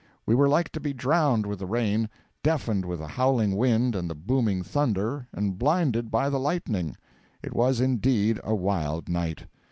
We were like to be drowned with the rain, deafened with the howling wind and the booming thunder, and blinded by the lightning. It was indeed a wild night.